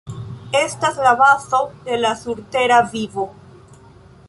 Estas la bazo de la surtera vivo.